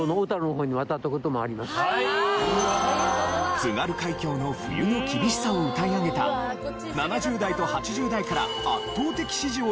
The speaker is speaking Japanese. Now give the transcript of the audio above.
津軽海峡の冬の厳しさを歌いあげた７０代と８０代から圧倒的支持を得る冬ソング。